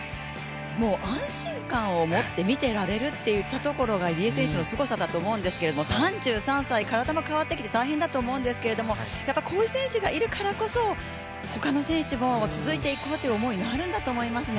もう安心感を持って見てられるというところが入江選手のすごさだと思うんですけど、３３歳、体も変わってきて大変だと思うんですけど、こういう選手がいるからこそ、ほかの選手も続いていこうという思いになるんだと思いますね。